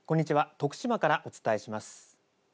徳島からお伝えします。